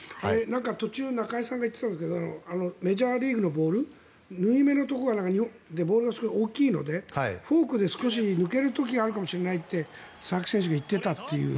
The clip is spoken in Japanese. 途中中居さんが言ってたんですけどメジャーリーグのボール縫い目のところが、日本のよりボールがすごく大きいのでフォークで少し抜ける時があるかもしれないと佐々木選手が言っていたという。